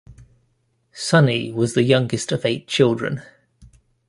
Sonny was the youngest of eight children.